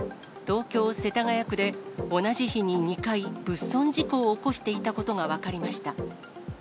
東京・世田谷区で、同じ日に２回、物損事故を起こしていたことが分かりました。